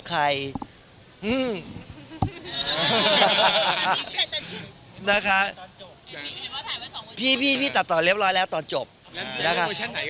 แล้วเรียบร้อยเวอร์ชั่นไหนก็้าง่าย